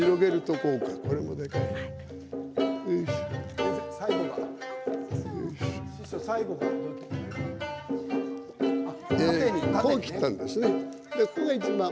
ここがいちばん。